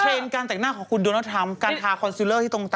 การแต่งหน้าของคุณโดนัลดทรัมการทาคอนซิลเลอร์ที่ตรงตา